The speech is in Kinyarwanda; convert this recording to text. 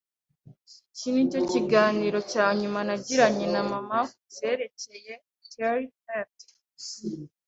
Iki nicyo kiganiro cya nyuma nagiranye na mama kubyerekeye Terry Tate.